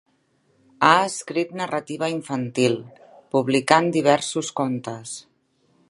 Ha escrit narrativa infantil, publicant diversos contes.